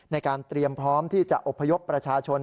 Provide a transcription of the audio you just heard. ในการเตรียมพร้อมที่จะอบพยพประชาชน